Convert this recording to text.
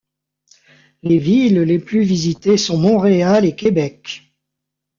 Les villes les plus visitées sont Montréal et Québec.